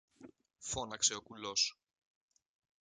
φώναξε ο κουλός.